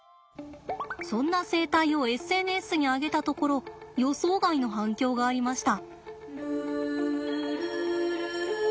そんな生態をＳＮＳに上げたところ予想外の反響がありました。